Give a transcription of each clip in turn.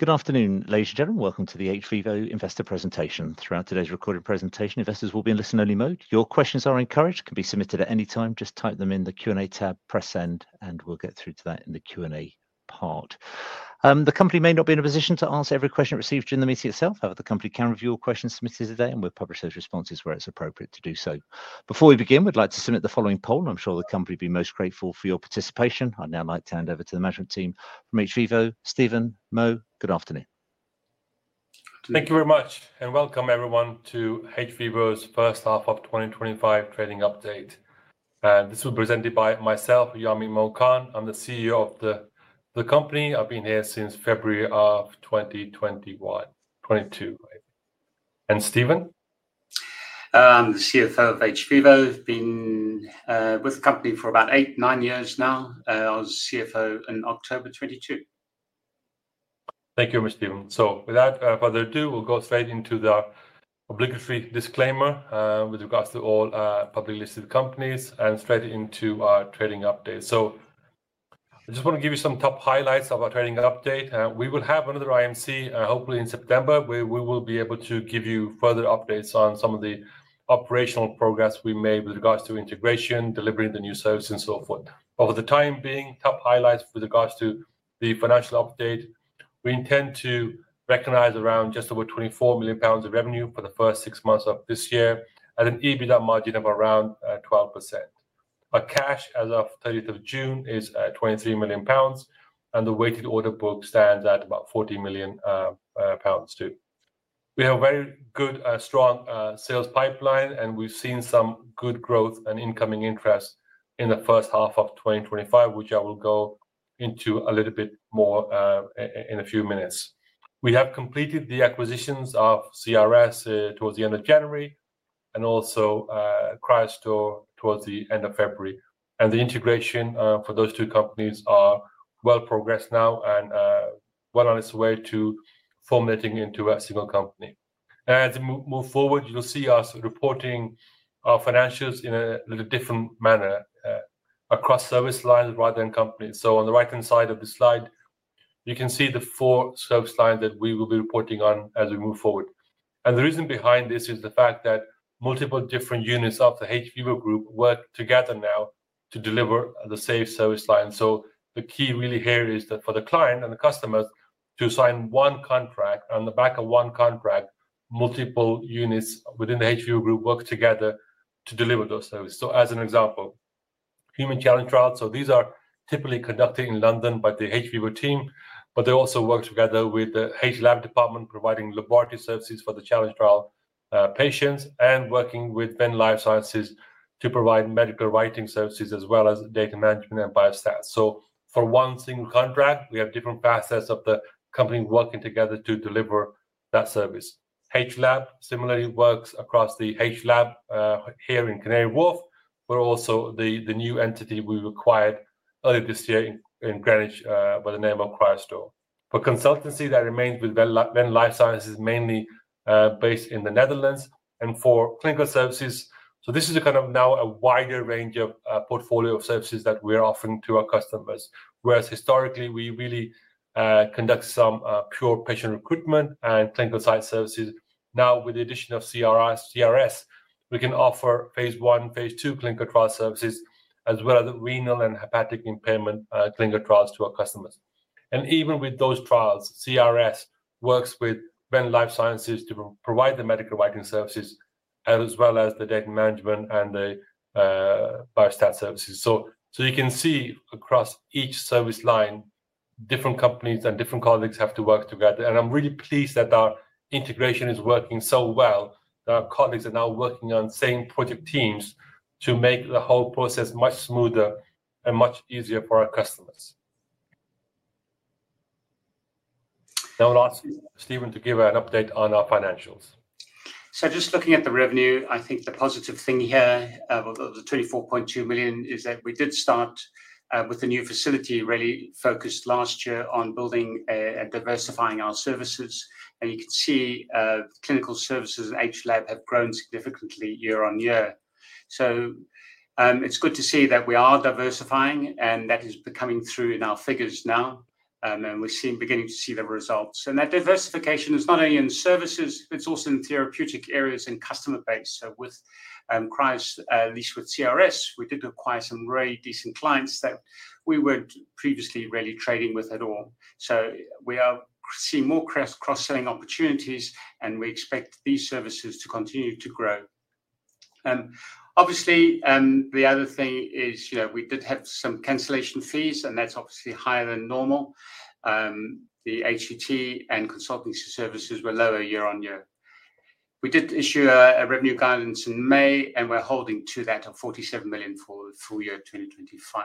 Good afternoon, ladies and gentlemen. Welcome to the hVIVO Investor presentation. Throughout today's recorded presentation, investors will be in listen-only mode. Your questions are encouraged and can be submitted at any time. Just type them in the Q&A tab, press send, and we'll get through to that in the Q&A part. The company may not be in a position to answer every question received during the meeting itself. However, the company can review your questions submitted today and will publish those responses where it's appropriate to do so. Before we begin, we'd like to submit the following poll. I'm sure the company will be most grateful for your participation. I'd now like to hand over to the management team from hVIVO. Stephen, Mo, good afternoon. Thank you very much, and welcome everyone to hVIVO's first half of 2025 trading update. This was presented by myself, Yamin 'Mo' Khan. I'm the CEO of the company. I've been here since February of 2022. I'm Stephen, I'm the CFO of hVIVO. I've been with the company for about eight, nine years now. I was CFO in October 2022. Thank you very much, Stephen. Without further ado, we'll go straight into the obligatory disclaimer with regards to all public listed companies and straight into our trading update. I just want to give you some top highlights of our trading update. We will have another IMC hopefully in September where we will be able to give you further updates on some of the operational progress we made with regards to integration, delivering the new service, and so forth over the time being. Top highlights with regards to the financial update: we intend to recognize just over 24 million pounds of revenue for the first six months of this year at an EBITDA margin of around 12%. Our cash as of June 30th is 23 million pounds, and the weighted order book stands at about 40 million pounds too. We have a very good strong sales pipeline, and we've seen some good, good growth and incoming interest in the first half of 2025, which I will go into a little bit more in a few minutes. We have completed the acquisitions of CRS towards the end of January and also Cryostore towards the end of February, and the integration for those two companies is well progressed now and well on its way to formatting into a single company. As we move forward, you'll see us reporting our financials in a little different manner across service lines rather than companies. On the right-hand side of the slide, you can see the four service lines that we will be reporting on as we move forward. The reason behind this is the fact that multiple different units of the hVIVO Group work together now to deliver the same service line. The key really here is that for the client and the customers to sign one contract, on the back of one contract, multiple units within the hVIVO Group work together to deliver those services. As an example, human challenge clinical trials. These are typically conducted in London by the hVIVO team, but they also work together with the H Lab department, providing laboratory services for the challenge trial patients, and working with Venn Life Sciences to provide medical writing services as well as data management and biostatistics. For one single contract, we have different facets of the company working together to deliver that service. H Lab similarly works across the H Lab here in Canary Wharf. We're also the new entity we acquired earlier this year in Greenwich by the name of Cryostore, for consultancy that remains with Venn Life Sciences, mainly based in the Netherlands, and for clinical services. This is now a wider range of portfolio of services that we're offering to our customers. Whereas historically we really conduct some pure patient recruitment and clinical site services, now with the addition of CRS, we can offer phase one, phase two clinical trial services, as well as renal and hepatic impairment clinical trials to our customers. Even with those trials, CRS works with Venn Life Sciences to provide the medical writing services as well as the data management and the biostatistics services. You can see across each service line, different companies and different colleagues have to work together. I'm really pleased that our integration is working so well. Our colleagues are now working on same project teams to make the whole process much smoother and much easier for our customers. Now we'll ask Stephen to give an update on our financials. Just looking at the revenue, I think the positive thing here of the 24.2 million is that we did start with a new facility, really focused last year on building and diversifying our services. You can see clinical services at hVIVO Lab have grown significantly year on year. It's good to see that we are diversifying and that is coming through in our figures now and we're beginning to see the results. That diversification is not only in services, it's also in therapeutic areas and customer base. With Cryostore, at least with CRS, we did acquire some very decent clients that we weren't previously really trading with at all. We are seeing more cross-selling opportunities and we expect these services to continue to grow. Obviously, the other thing is we did have some cancellation fees and that's obviously higher than normal. The human challenge clinical trial and consultancy services were lower year on year. We did issue a revenue guidance in May and we're holding to that of 47 million for the full year 2025.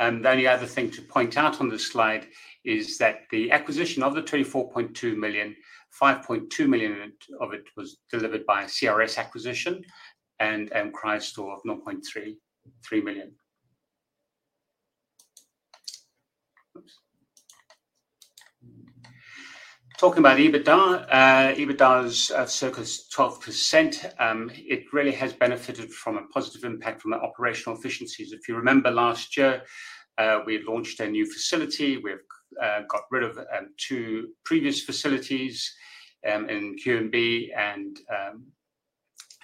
The only other thing to point out on this slide is that of the 24.2 million, 5.2 million of it was delivered by CRS acquisition and Cryostore of 0.3 million. Talking about EBITDA, EBITDA's circa 12%. It really has benefited from a positive impact from the operational efficiencies. If you remember, last year we had launched a new facility. We've got rid of two previous facilities in QMB and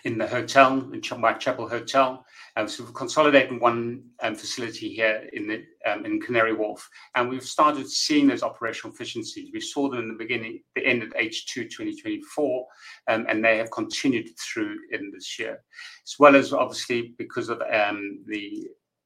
in the Whitechapel Hotel. We've consolidated one facility here in Canary Wharf and we've started seeing those operational efficiencies. We saw them at the end of H2 2024 and they have continued through in this year as well. Obviously, because of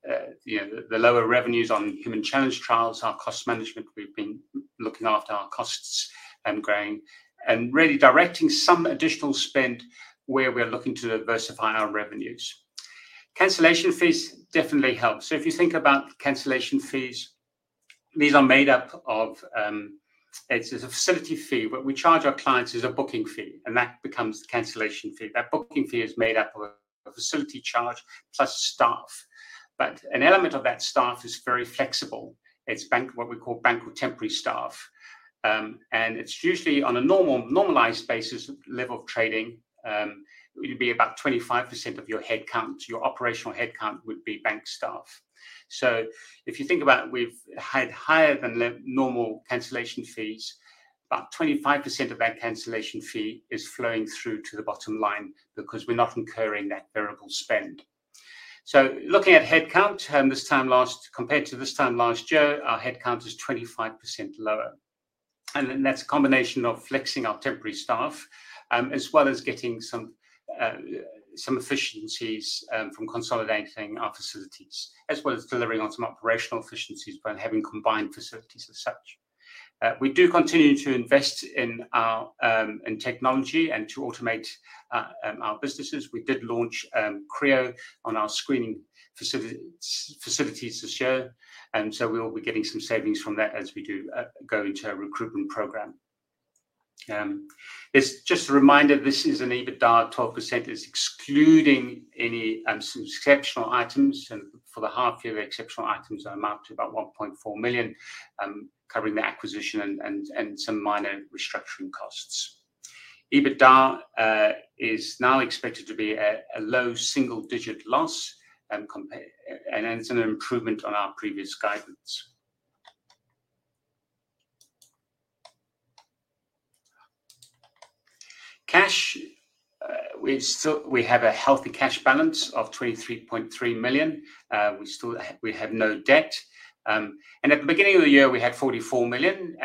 the lower revenues on human challenge clinical trials, our cost management, we've been looking after our costs and growing and really directing some additional spend where we are looking to diversify our revenues. Cancellation fees definitely help. If you think about cancellation fees, these are made up of a facility fee. What we charge our clients is a booking fee and that becomes the cancellation fee. That booking fee is made up of a facility charge plus staff, but an element of that staff is very flexible. It's what we call bank or temporary staff. Usually, on a normalized basis level of trading, it'd be about 25% of your headcount. Your operational headcount would be bank staff. If you think about it, we've had higher than normal cancellation fees. About 25% of that cancellation fee is flowing through to the bottom line because we're not incurring that variable spend. Looking at headcount compared to this time last year, our headcount is 25% lower. That's a combination of flexing our temporary staff as well as getting some efficiencies from consolidating our facilities and delivering on some operational efficiencies by having combined facilities. We do continue to invest in technology and to automate our businesses. We did launch CREO on our screening facilities this year, and we'll be getting some savings from that as we go into a recruitment program. Just a reminder, this is an EBITDA. 12% is excluding any exceptional items, and for the half year, exceptional items amount to about 1.4 million, covering the acquisition and some minor restructuring costs. EBITDA is now expected to be a low single digit loss, an improvement on our previous guidance. We have a healthy cash balance of 23.3 million. We have no debt, and at the beginning of the year, we had 44 million.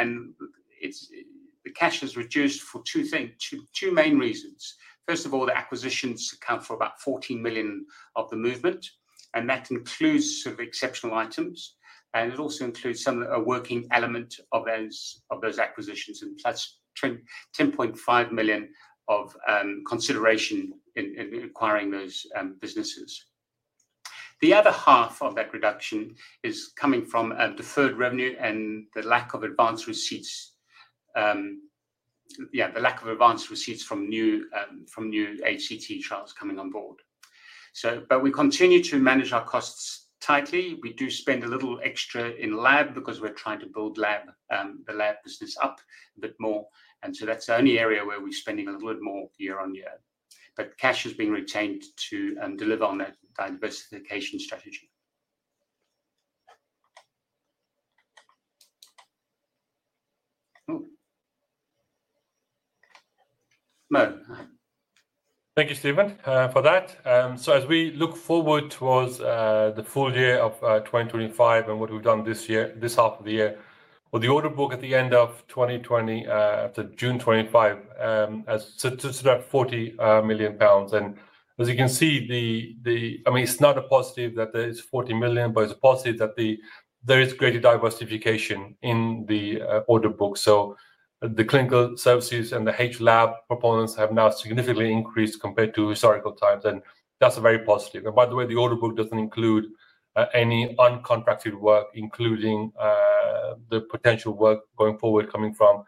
The cash has reduced for two main reasons. First of all, the acquisitions account for about 14 million of the movement, and that includes exceptional items and also includes some working element of those acquisitions. That's 10.5 million of consideration in acquiring those businesses. The other half of that reduction is coming from deferred revenue and the lack of advance receipts from new HCT trials coming on board. We continue to manage our costs tightly. We do spend a little extra in lab because we're trying to build the lab business up a bit more, and that's the only area where we're spending a little bit more year on year. Cash is being retained to deliver on that diversification strategy. Thank you, Stephen, for that. As we look forward towards the full year of 2025 and what we've done this year, this half of the year for the order book at the end of 2024 after June 25th is about 40 million pounds, and as you can see, it's not a positive that there is 40 million, but it's positive that there is greater diversification in the order book. The clinical services and the H lab proponents have now significantly increased compared to historical times, and that's very positive. By the way, the order book doesn't include any uncontracted work, including the potential work going forward coming from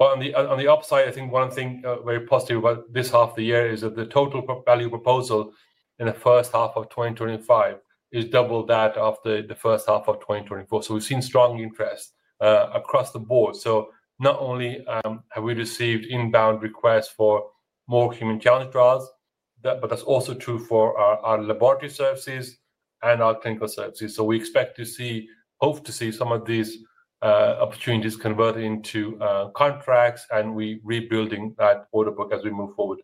Juliet. On the upside, one thing very positive about this half of the year is that the total value proposal in the first half of 2025 is double that of the first half of 2024. We've seen strong interest across the board. Not only have we received inbound requests for more human challenge clinical trials, but that's also true for our laboratory services and our clinical services. We expect to see, hope to see, some of these opportunities convert into contracts, and we're rebuilding that order book as we move forward.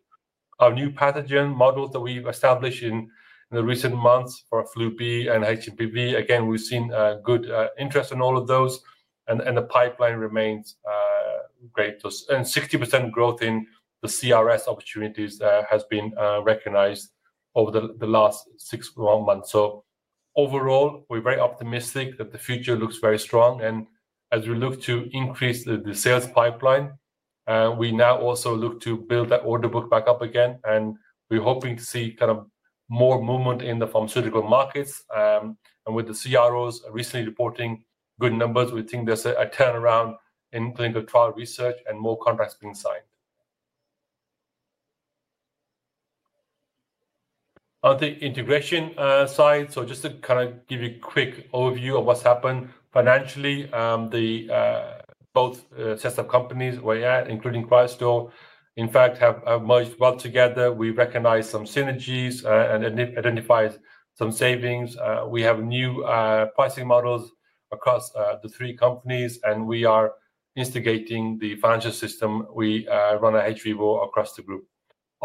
Our new pathogen models that we've established in the recent months for flu B and HPV, again, we've seen good interest in all of those, and the pipeline remains great, and 60% growth in the CRS opportunities has been recognized over the last six months. Overall, we're very optimistic that the future looks very strong. As we look to increase the sales pipeline, we now also look to build that order book back up again. We're hoping to see more movement in the pharmaceutical markets, and with the CROs recently reporting good numbers, we think there's a turnaround in clinical trial research and more contracts being signed on the integration side. Just to give you a quick overview of what's happened prior to financially, both sets of companies, including Cryostore, in fact, have merged well together. We recognized some synergies and identified some savings. We have new pricing models across the three companies, and we are instigating the financial system. We run hVIVO across the group.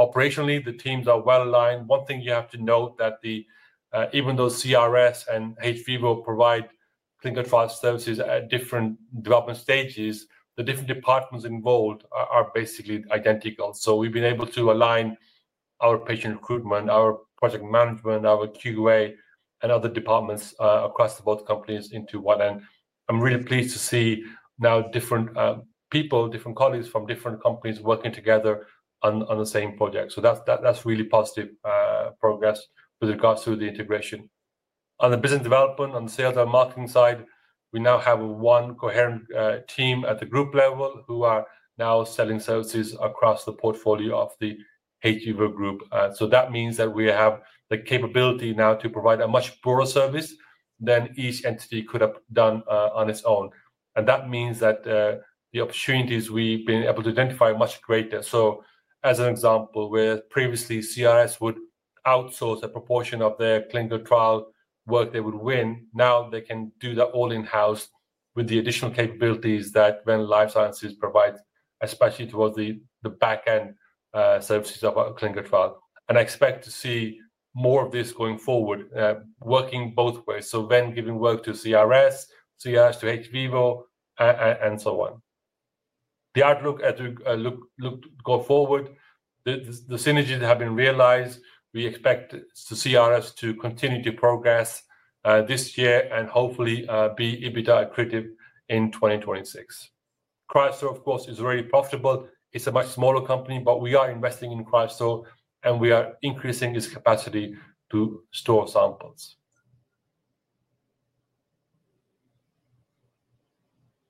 Operationally, the teams are well aligned. One thing you have to note is that even though CRS and hVIVO provide clinical trial services at different development stages, the different departments involved are basically identical. We have been able to align our patient recruitment, our project management, our QA, and other departments across both companies into one end. I'm really pleased to see now different people, different colleagues from different companies working together on the same project. That's really positive progress with regards to the integration on the business development. On the sales and marketing side, we now have one coherent team at the group level who are now selling services across the portfolio of the hVIVO group. That means that we have the capability now to provide a much broader service than each entity could have done on its own. That means that the opportunities we've been able to identify are much greater. For example, where previously CRS would outsource a proportion of their clinical trial work they would win, now they can do that all in-house with the additional capabilities that Venn Life Sciences provides, especially towards the back-end services of a clinical trial. I expect to see more of this going forward, working both ways, with Venn giving work to CRS, CRS to hVIVO, and so on. The outlook as we go forward, the synergies have been realized. We expect the CRS to continue to progress this year and hopefully be EBITDA accretive in 2026. Cryostore, of course, is very profitable. It's a much smaller company, but we are investing in Cryostore and we are increasing its capacity to store samples.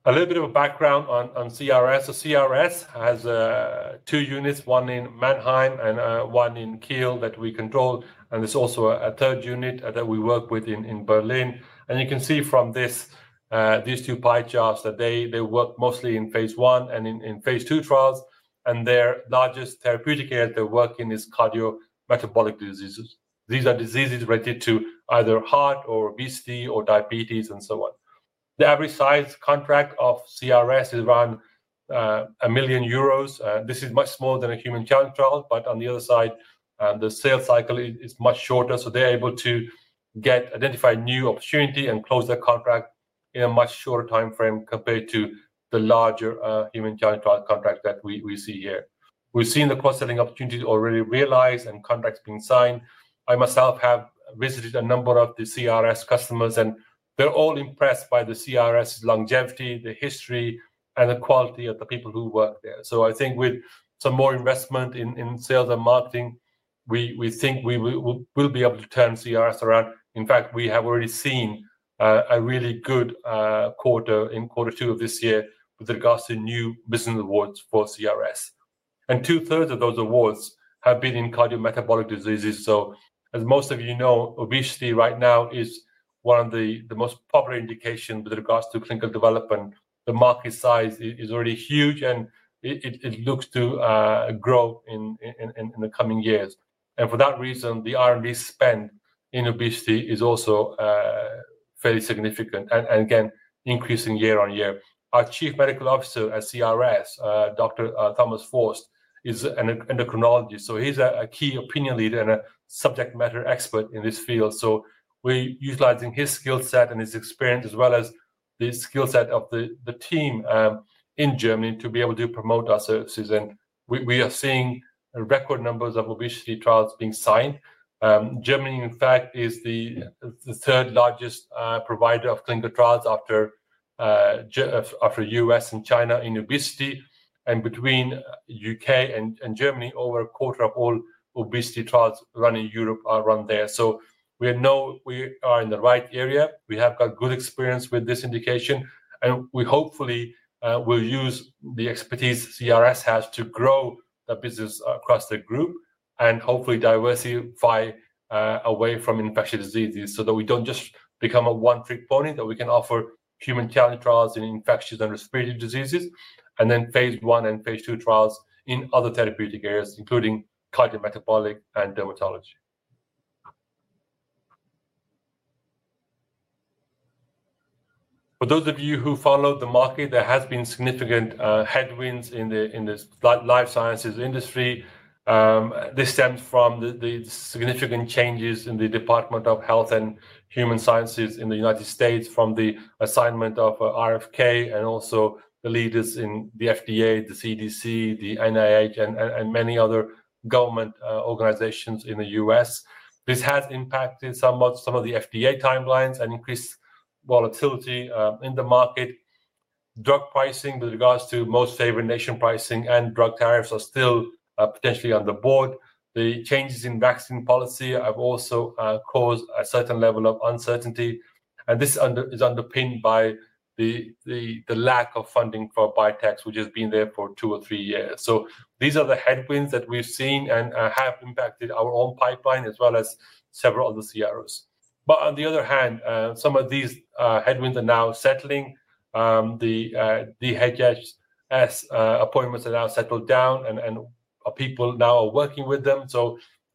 A little bit of a background on CRS. CRS has two units, one in Mannheim and one in Kiel, that we control. There's also a third unit that we work with in Berlin. You can see from these two pie charts that they work mostly in phase one and in phase two trials. Their largest therapeutic area they're working in is cardiometabolic diseases. These are diseases related to either heart or obesity or diabetes and so on. The average size contract of CRS is around 1 million euros. This is much smaller than a human challenge clinical trial. On the other side, the sales cycle is much shorter, so they're able to identify new opportunity and close their contract in a much shorter time frame compared to the larger human challenge clinical trial contracts that we see here. We've seen the cross-selling opportunity already realized and contracts being signed. I myself have visited a number of the CRS customers and they're all impressed by the CRS longevity, the history, and the quality of the people who work there. I think with some more investment in sales and marketing, we think we will be able to turn CRS around. In fact, we have already seen a really good quarter in quarter two of this year with regards to new business awards for CRS, and 2/3 of those awards have been in cardiometabolic diseases. As most of you know, obesity right now is one of the most popular indications with regards to clinical development. The market size is already huge, and it looks to grow in the coming years. For that reason, the R&D spend in obesity is also fairly significant and again increasing year on year. Our Chief Medical Officer at CRS, Dr. Thomas Forst, is an endocrinologist. He's a key opinion leader and a subject matter expert in this field. We are utilizing his skill set and his experience as well as the skill set of the team in Germany to be able to promote our services. We are seeing record numbers of obesity trials being signed. Germany, in fact, is the third largest provider of clinical trials after the U.S. and China in obesity. Between the U.K. and Germany, over a quarter of all obesity trials run in Europe are run there. We know we are in the right area. We have got good experience with this indication, and we hopefully will use the expertise CRS has to grow the business across the group and hopefully diversify away from infectious diseases so that we don't just become a one trick pony. We can offer human challenge clinical trials in infectious and respiratory diseases and then phase one and phase two trials in other therapeutic areas, including cardiometabolic and dermatology. For those of you who follow the market, there have been significant headwinds in the life sciences industry. This stems from the significant changes in the Department of Health and Human Services in the United States from the assignment of RFK and also the leaders in the FDA, the CDC, the NIH, and many other government organizations in the U.S. This has impacted somewhat some of the FDA timelines and increased volatility in the market. Drug pricing with regards to most favored nation pricing and drug tariffs are still potentially on the board. The changes in vaccine policy have also caused a certain level of uncertainty, and this is underpinned by the lack of funding for biotech, which has been there for 2-3 years. These are the headwinds that we've seen and have impacted our own pipeline as well as several other CROs. On the other hand, some of these headwinds are now settling. The HHS appointments are now settled down and people now are working with them.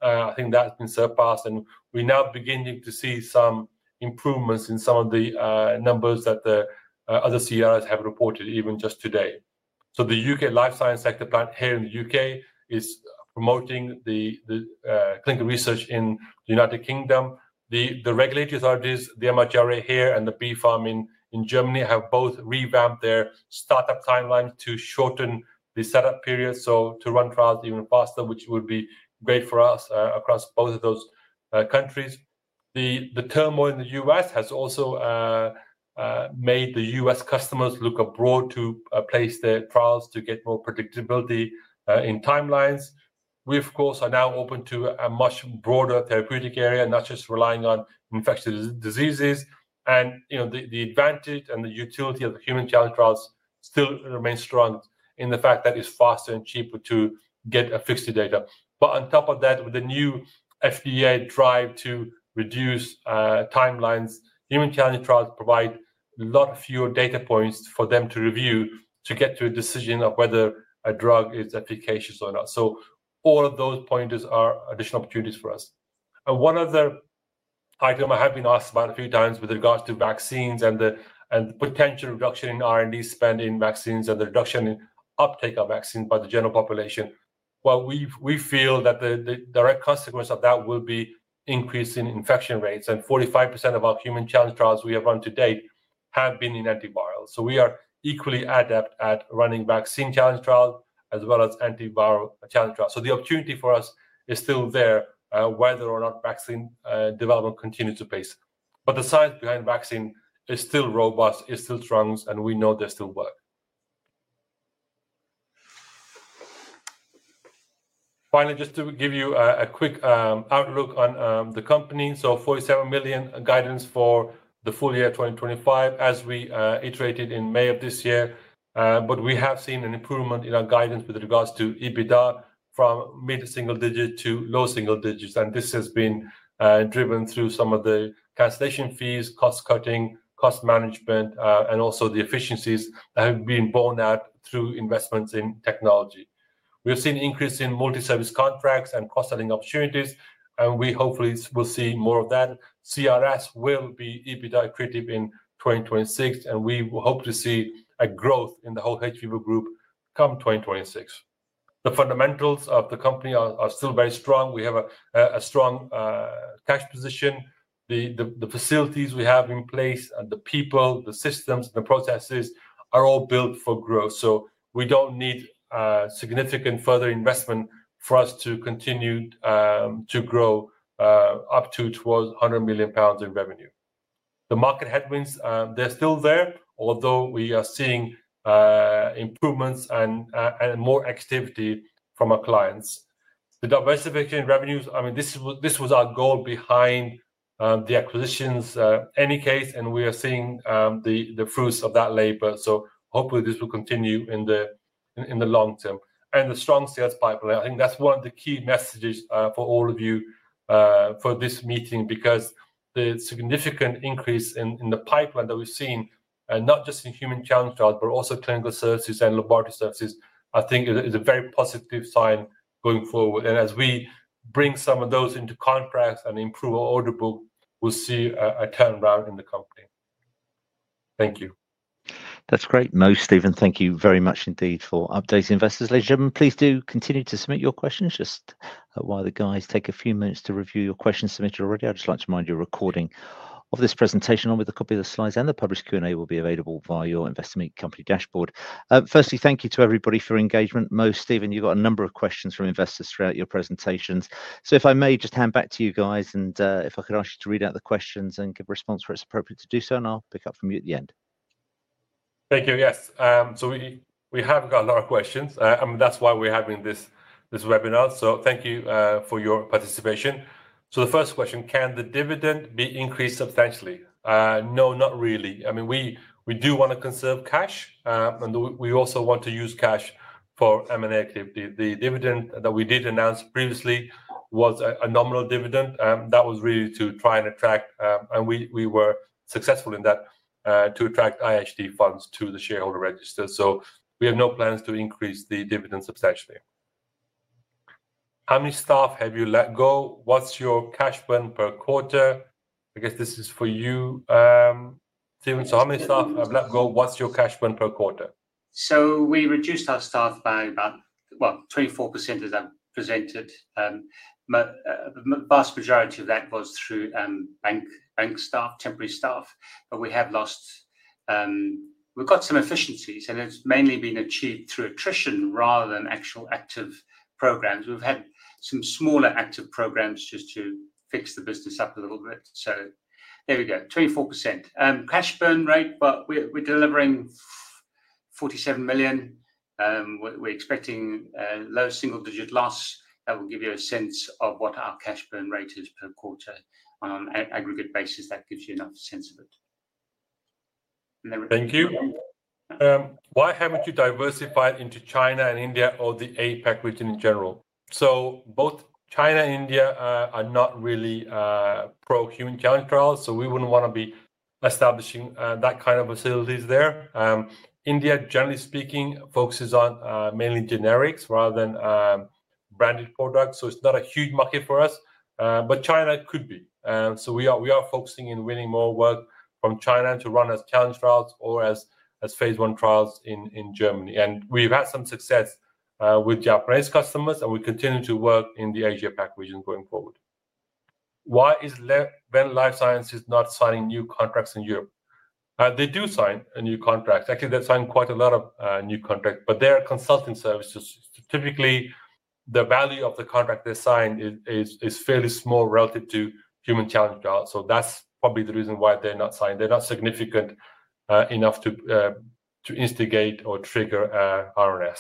I think that's been surpassed and we're now beginning to see some improvements in some of the numbers that the other CRS have reported, even just today. The U.K. life science sector plant here in the U.K. is promoting the clinical research in the United Kingdom. The regulatory authorities, the MHRA here and the BfArM in Germany have both revamped their startup timeline to shorten the setup period to run trials even faster, which would be great for us across both of those countries. The turmoil in the U.S. has also made the U.S. customers look abroad to place their trials to get more predictability in timelines. We of course are now open to a much broader therapeutic area, not just relying on infectious diseases. The advantage and the utility of human challenge clinical trials still remains strong in the fact that it's faster and cheaper to get fixed data. On top of that, with the new FDA drive to reduce timelines, human challenge clinical trials provide a lot fewer data points for them to review to get to a decision of whether a drug is efficacious or not. All of those pointers are additional opportunities for us. One other item I have been asked about a few times with regards to vaccines and the potential reduction in R&D spend in vaccines and the reduction in uptake of vaccine by the general population. We feel that the direct consequence of that will be increasing infection rates. 45% of our human challenge clinical trials we have run to date have been in antiviral. We are equally adept at running vaccine challenge trials as well as antiviral challenge trials. The opportunity for us is still there whether or not vaccine development continues apace. The science behind vaccine is still robust. It still trumps and we know there's still work. Finally, just to give you a quick outlook on the company. 47 million guidance for the full year 2025 as we iterated in May of this year. We have seen an improvement in our guidance with regards to EBITDA from mid single digit to low single digits. This has been driven through some of the cancellation fees, cost cutting, cost management and also the efficiencies that have been borne out through investments in technology. We've seen increase in multi service contracts and cost selling opportunities and we hopefully will see more of that. CRS will be EBITDA accretive in 2026 and we will hope to see a growth in the whole hVIVO Group come 2026. The fundamentals of the company are still very strong. We have a strong cash position. The facilities we have in place and the people, the systems, the processes are all built for growth. We don't need significant further investment for us to continue to grow up towards 100 million pounds in revenue. The market headwinds, they're still there, although we are seeing improvements and more activity from our clients. The diversification revenues, I mean this was our goal behind the acquisitions in any case, and we are seeing the fruits of that labor. Hopefully this will continue in the long term. The strong sales pipeline, I think that's one of the key messages for all of you for this meeting because the significant increase in the pipeline that we've seen, and not just in human challenge clinical trials, but also clinical services and laboratory services, I think is a very positive sign going forward. As we bring some of those into contracts and improve our order book, we'll see a turnaround in the company. Thank you, that's great. Mo, Stephen, thank you very much indeed for updating investors. Ladies and gentlemen, please do continue to submit your questions just while the guys take a few minutes to review your questions submitted already. I'd just like to remind you a recording of this presentation along with a copy of the slides and the published Q&A will be available via your Investor Meet Company dashboard. Firstly, thank you to everybody for engagement. Mo, Stephen, you got a number of questions from investors throughout your presentations. If I may just hand back to you guys and if I could ask you to read out the questions and give response where it's appropriate to do so, I'll pick up from you at the end. Thank you. Yes, we have got a lot of questions, that's why we're having this webinar. Thank you for your participation. The first question, can the dividend be increased substantially? No, not really. We do want to conserve cash and we also want to use cash for M&A. The dividend that we did announce previously was a nominal dividend that was really to try and attract, and we were successful in that, to attract IHD funds to the shareholder register. We have no plans to increase the dividend substantially. How many staff have you let go? What's your cash burn per quarter? I guess this is for you, Stephen. How many staff have you let go? What's your cash burn per quarter? We reduced our staff by about 24%, as I presented. The vast majority of that was through bank staff, temporary staff. We have lost. We've got some efficiencies, and it's mainly been achieved through attrition rather than actual active programs. We've had some smaller active programs just to fix the business up a little bit. There we go, 24% cash burn rate. We're delivering 47 million. We're expecting low single-digit loss. That will give you a sense of what our cash burn rate is per quarter on an aggregate basis. That gives you enough sense of it. Thank you. Why haven't you diversified into China and India or the APAC region in general? Both China and India are not really pro human challenge clinical trials, so we wouldn't want to be establishing that kind of facilities there. India, generally speaking, focuses mainly on generics rather than branded products. It's not a huge market for us, but China could be. We are focusing on winning more work from China to run as challenge trials or as phase one trials in Germany. We've had some success with Japanese customers and we continue to work in the Asia PAC region going forward. Why is Venn Life Sciences not signing new contracts in Europe? They do sign new contracts. Actually, they've signed quite a lot of new contracts, but their consulting services, typically the value of the contract they sign is fairly small relative to human challenge clinical trials. That's probably the reason why they're not significant enough to instigate or trigger RNS.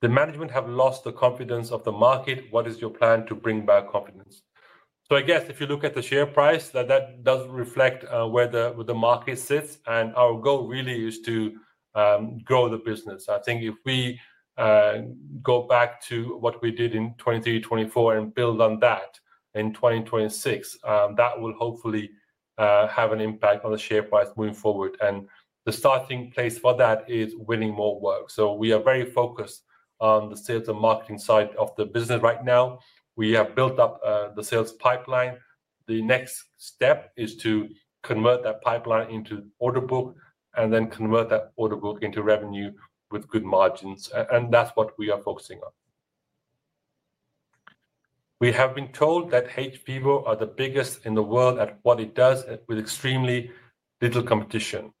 The management have lost the confidence of the market. What is your plan to bring back confidence? If you look at the share price, that does reflect where the market sits. Our goal really is to grow the business. If we go back to what we did in 2023-2024 and build on that in 2026, that will hopefully have an impact on the share price moving forward. The starting place for that is winning more work. We are very focused on the sales and marketing side of the business right now. We have built up the sales pipeline. The next step is to convert that pipeline into order book and then convert that order book into revenue with good margins, and that's what we are focusing on. We have been told that hVIVO are the biggest in the world at what it does with extremely little competition.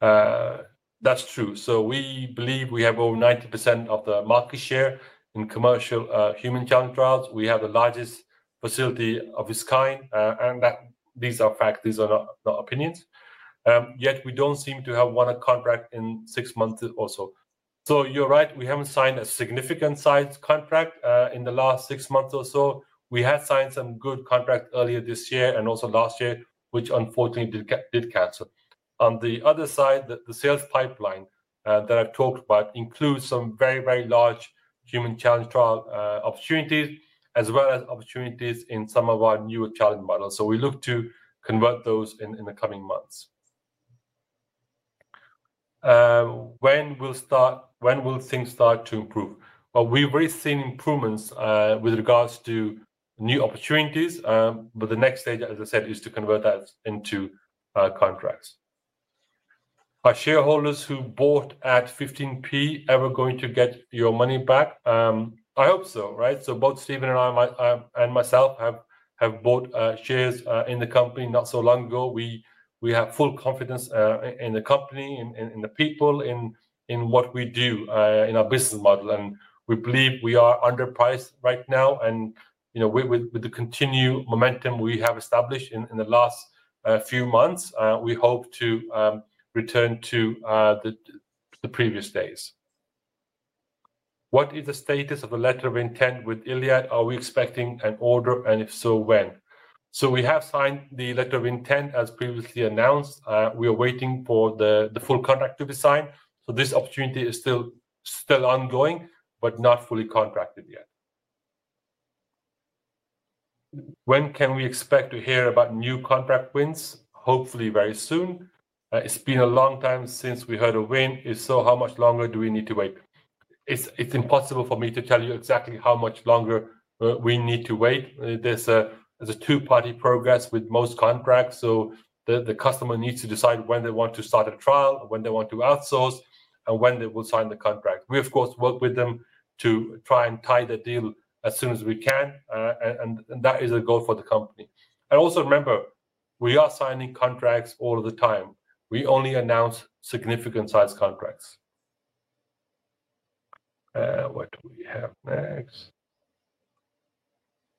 That's true. We believe we have over 90% of the market share in commercial human challenge clinical trials. We have the largest facility of its kind and these are facts. These are not opinions. Yet, we don't seem to have won a contract in six months or so. You're right, we haven't signed a significant size contract in the last six months or so. We had signed some good contracts earlier this year and also last year, which unfortunately did cancel. On the other side, the sales pipeline that I talked about includes some very, very large human challenge clinical trial opportunities as well as opportunities in some of our newer challenge models. We look to convert those in the coming months. When will things start to improve? We've already seen improvements with regards to new opportunities, but the next stage, as I said, is to convert that into contracts. Are shareholders who bought at 0.15 ever going to get your money back? I hope so. Stephen and I have bought shares in the company not so long ago. We have full confidence in the company, in the people, in what we do, in our business model, and we believe we are underpriced right now. You know, with the continued momentum we have established in the last few months, we hope to return to the previous days. What is the status of the letter of intent with Iliad? Are we expecting an order and if so, when? We have signed the letter of intent as previously announced. We are waiting for the full contract to be signed, but this opportunity is still ongoing but not fully contracted yet. When can we expect to hear about new contract wins? Hopefully very soon. It's been a long time since we heard a win. If so, how much longer do we need to wait? It's impossible for me to tell you exactly how much longer we need to wait. There's a two-party progress with most contracts. The customer needs to decide when they want to start a trial, when they want to outsource, and when they will sign the contract. We of course work with them to try and tie the deal as soon as we can and that is a goal for the company. Also remember, we are signing contracts all the time. We only announce significant size contracts. What do we have next?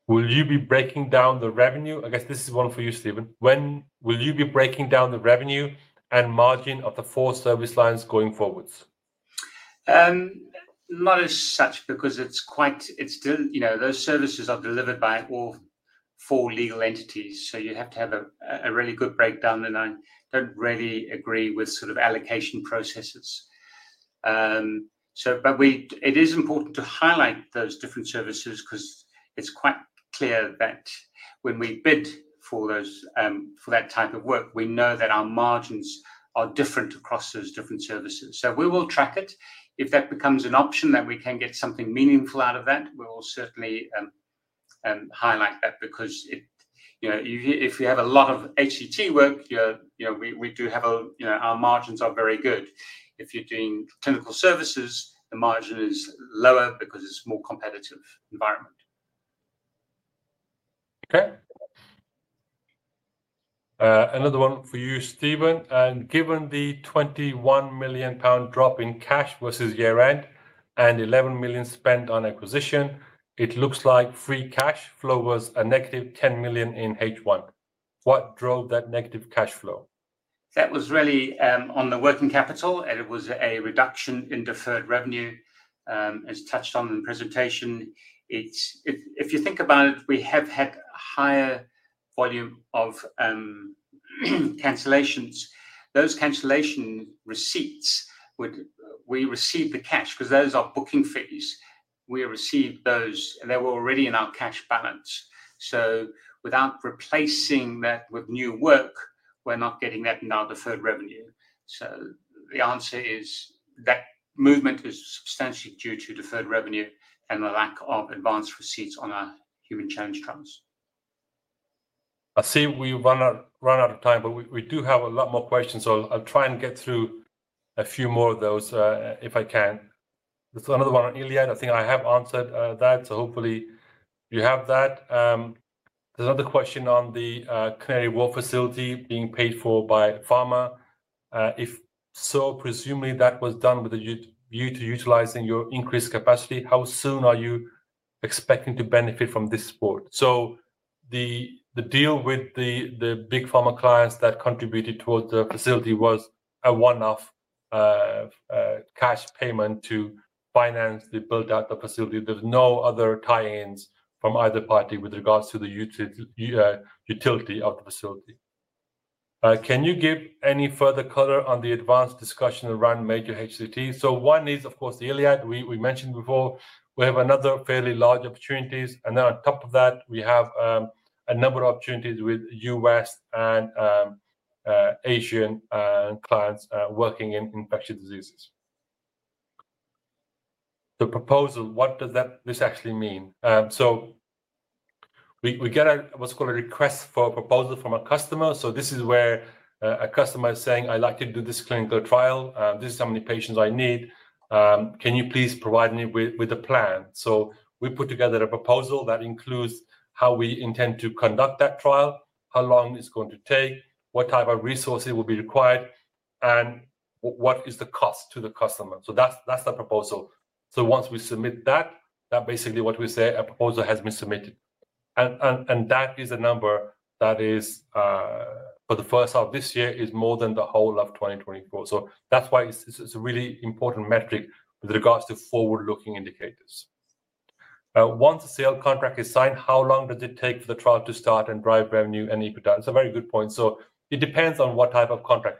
Will you be breaking down the revenue? I guess this is one for you, Stephen. When will you be breaking down the revenue and margin of the four service lines going forwards? Not as such, because it's quite, it's still, you know, those services are delivered by all four legal entities. You have to have a really good breakdown. I don't really agree with sort of allocation processes. It is important to highlight those different services because it's quite clear that when we bid for that type of work, we know that our margins are different across those different services. We will track it. If that becomes an option that we can get something meaningful out of, we will certainly highlight that. If you have a lot of human challenge clinical trial work, our margins are very good. If you're doing clinical services, the margin is lower because it's a more competitive environment. Okay, another one for you, Stephen. Given the 21 million pound drop in cash versus year end and 11 million spent on acquisition, it looks like free cash flow was a -10 million in H1. What drove that negative cash flow? That was really on the working capital, and it was a reduction in deferred revenue, as touched on in the presentation. If you think about it, we have had a higher volume of cancellations. Those cancellation receipts, we received the cash because those are booking fees. We received those, and they were already in our cash balance. Without replacing that with new work, we're not getting that in our deferred revenue. The answer is that movement is substantially due to deferred revenue and the lack of advance receipts on our human challenge accounts. I see we run out of time, but we do have a lot more questions so I'll try and get through a few more of those if I can. There's another one on Iliad. I think I have answered that, so hopefully you have that. There's another question on the Canary Wharf facility being paid for by pharma. If so, presumably that was done with a view to utilizing your increased capacity. How soon are you expecting to benefit from this support? The deal with the big pharma clients that contributed towards the facility was a one-off cash payment to finance the build out of the facility. There's no other tie-ins from either party with regards to the utility of the facility. Can you give any further color on the advanced discussion around major HCTs? One is of course the Iliad we mentioned before. We have another fairly large opportunity and on top of that we have a number of opportunities with U.S. and Asian clients working in infectious diseases. The proposal, what does this actually mean? We get what's called a request for a proposal from a customer. This is where a customer is saying I'd like to do this clinical trial, this is how many patients I need. Can you please provide me with a plan? We put together a proposal that includes how we intend to conduct that trial, how long it's going to take, what type of resources will be required, and what is the cost to the customer. That's the proposal. Once we submit that, basically what we say, a proposal has been submitted and that is a number that for the first half of this year is more than the whole of 2024. That's why it's a really important metric with regards to forward-looking indicators. Once a sale contract is signed, how long does it take for the trial to start and drive revenue and equitable? It's a very good point. It depends on what type of contract.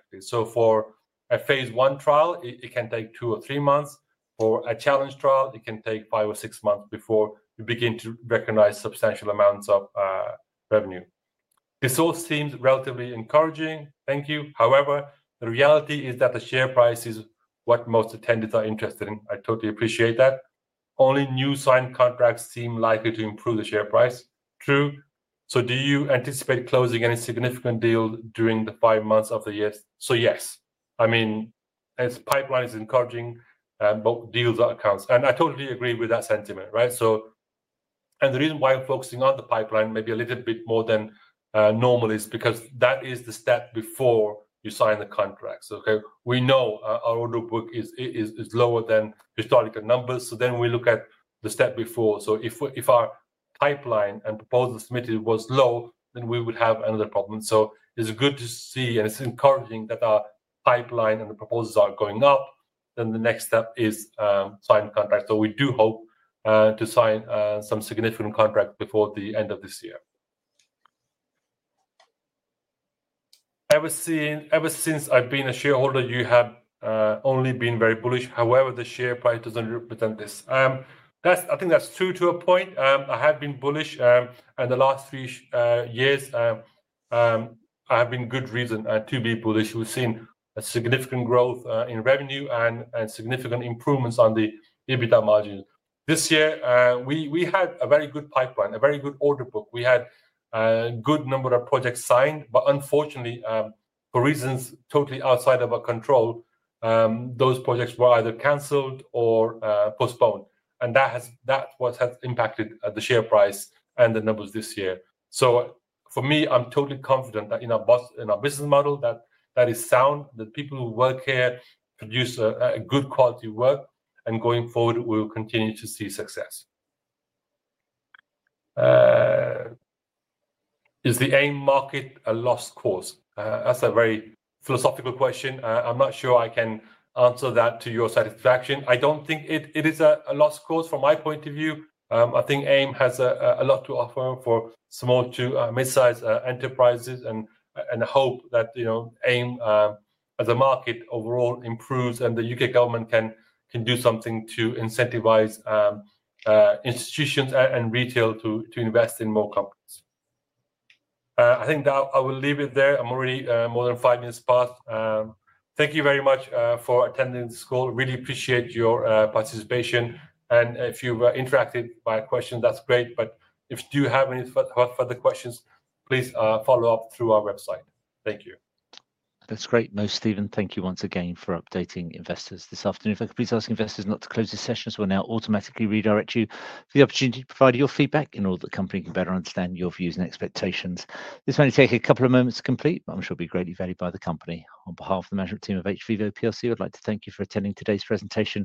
For a phase one trial it can take two or three months. For a challenge trial it can take five or six months before you begin to recognize substantial amounts of revenue. This all seems relatively encouraging. Thank you. However, the reality is that the share price is what most attendants are interested in. I totally appreciate that. Only new signed contracts seem likely to improve the share price. True. Do you anticipate closing any significant deal during the five months of the year? Yes. I mean as pipeline is encouraging both deals or accounts and I totally agree with that sentiment. Right? The reason why I'm focusing on the pipeline maybe a little bit more than normal is because that is the step before you sign the contract. We know our order book is lower than historical numbers, so we look at the step before. If our pipeline and proposals submitted was low, then we would have another problem. It's good to see and it's encouraging that our pipeline and the proposals are going up. The next step is sign contract. We do hope to sign some significant contract before the end of this year. Ever since I've been a shareholder you have only been very bullish. However, the share price doesn't represent this. I think that's true to a point. I have been bullish and the last three years have been good reason to be bullish. We've seen a significant growth in revenue and significant improvements on the EBITDA margin. This year we had a very good pipeline, a very good order book. We had a good number of projects signed but unfortunately, for reasons totally outside of our control, those projects were either cancelled or postponed and that impacted the share price and the numbers this year. For me I'm totally confident that in our business model that is sound, that people who work here produce a good quality work and going forward we will continue to see success. Is the AIM market a lost cause? That's a very philosophical question. I'm not sure I can answer that to your satisfaction. I don't think it is a lost cause. From my point of view, I think AIM has a lot to offer for small to mid sized enterprises and hope that AIM as a market overall improves and the U.K. government can do something to incentivize institutions and retail to invest in more companies. I think I will leave it there. I'm already more than five minutes past. Thank you very much for attending the call. Really appreciate your participation and if you were interacted by a question, that's great. If you do have any further questions, please follow up through our website. Thank you. That's great. No, Stephen, thank you once again for updating investors this afternoon. Please ask investors not to close this session. We will now automatically redirect you to the opportunity to provide your feedback in order for the company to better understand your views and expectations. This only takes a couple of moments to complete, but I'm sure it will be greatly valued by the company. On behalf of the management team of hVIVO plc, I'd like to thank you for attending today's presentation.